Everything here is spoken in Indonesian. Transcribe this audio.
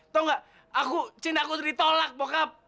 tau nggak cinta aku ditolak bokap